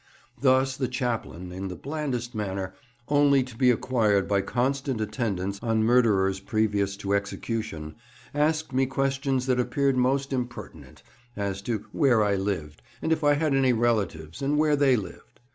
Thus the Chaplain, in the blandest manner, only to be acquired by constant attendance on murderers previous to execution, asked me questions that appeared most impertinent—as to where I lived, and if I had any relatives, and where they lived.